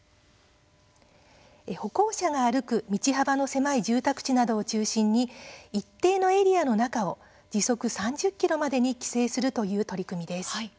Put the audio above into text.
歩行者が歩く道幅の狭い住宅地などを中心に一定のエリアの中を時速３０キロまでに規制するという取り組みです。